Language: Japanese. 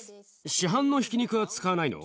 市販のひき肉は使わないの？